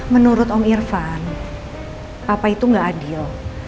menurut om irfan papa itu gak adil